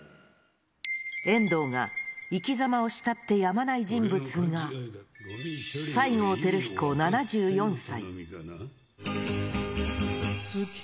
遠藤が生きざまを慕ってやまない人物が、西郷輝彦７４歳。